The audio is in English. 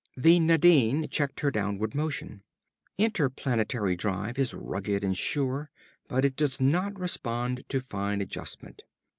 The Nadine checked her downward motion. Interplanetary drive is rugged and sure, but it does not respond to fine adjustment.